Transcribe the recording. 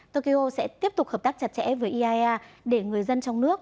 tokyo sẽ tiếp tục hợp tác chặt chẽ với iaea để người dân trong nước